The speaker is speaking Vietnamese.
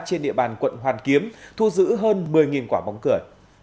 ba trên địa bàn quận hoàn kiếm thu giữ hơn một mươi quả bóng cửa